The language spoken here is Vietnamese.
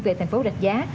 về thành phố rạch giá